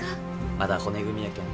まだ骨組みやけん。